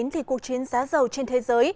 thì cuộc chiến giá dầu trên thế giới